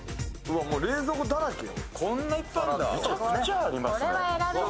冷蔵庫だらけよ。